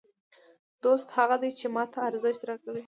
دوست هغه دئ، چي ما ته ارزښت راکوي.